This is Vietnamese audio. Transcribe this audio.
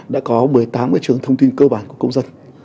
đã có một mươi tám trường thông tin cơ bản của công dân